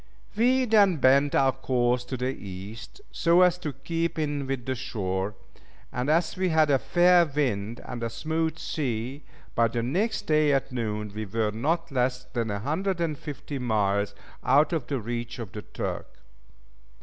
We then bent our course to the East, so as to keep in with the shore; and as we had a fair wind and a smooth sea, by the next day at noon, we were not less than 150 miles out of the reach of the Turk.